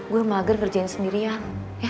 gue mager kerjain sendirian